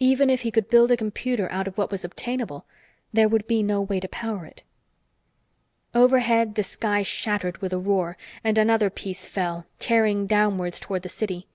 Even if he could build a computer out of what was obtainable, there would be no way to power it. Overhead, the sky shattered with a roar, and another piece fell, tearing downwards toward the city.